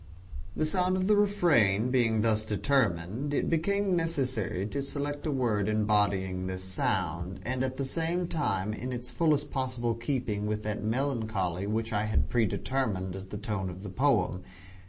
The sound of the refrain being thus determined, it became necessary to select a word embodying this sound, and at the same time in the fullest possible keeping with that melancholy which I had pre determined as the tone of the poem.